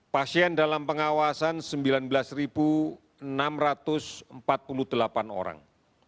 pasien dalam pengawasan sembilan belas enam ratus empat puluh delapan orang